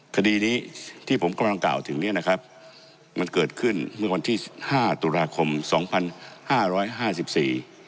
คดีนี้ที่ผมกำลังกล่าวถึงเนี้ยนะครับมันเกิดขึ้นเมื่อวันที่ห้าตุลาคมสองพันห้าร้อยห้าสิบสี่